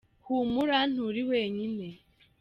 humura nturi wenyine.